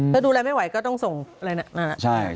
ถ้าดูแลไม่ไหวก็ต้องส่งอะไรนะ